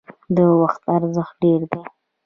د وخت ارزښت ډیر دی